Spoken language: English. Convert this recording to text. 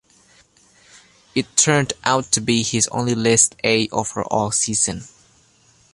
It turned out to be his only List A over all season.